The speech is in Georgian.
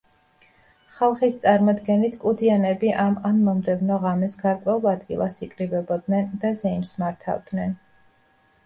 ხალხის წარმოდგენით კუდიანები ამ ან მომდევნო ღამეს გარკვეულ ადგილას იკრიბებოდნენ და ზეიმს მართავდნენ.